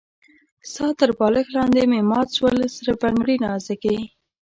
ستا تر بالښت لاندې مي مات سول سره بنګړي نازکي